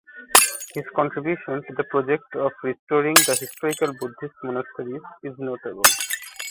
His contribution to the project of restoring the historical Buddhist monasteries is notable.